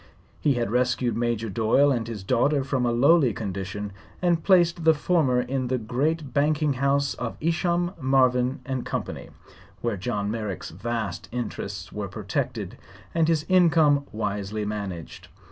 He had rescued Major Doyle and his daughter from a lowly condition and placed the former in the great banking house of Isham, Marvin & Company, where John Merrick's vast interests were protected and his income wisely managed.